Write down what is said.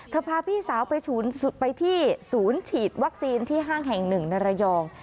เธอพาพี่สาวไปที่ศูนย์ฉีดวัคซีนที่ห้างแห่ง๑ระยอง